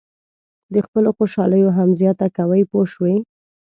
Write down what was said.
د خپلو خوشالیو هم زیاته کوئ پوه شوې!.